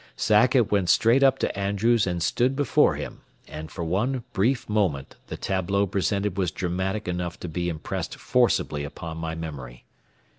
Sackett went straight up to Andrews and stood before him, and for one brief moment the tableau presented was dramatic enough to be impressed forcibly upon my memory.